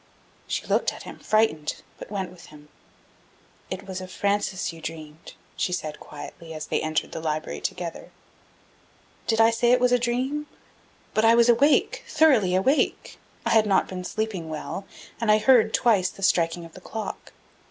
She looked at him, frightened, but went with him. "It was of Frances you dreamed," she said, quietly, as they entered the library together. "Did I say it was a dream? But I was awake thoroughly awake. I had not been sleeping well, and I heard, twice, the striking of the clock.